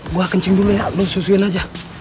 buah kencing dulu ya lo susuin aja